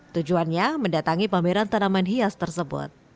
tujuannya mendatangi pameran tanaman hias tersebut